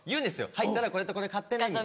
「入ったらこれとこれ買ってね」。